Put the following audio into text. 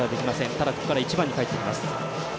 ただ、ここから１番にかえっていきます。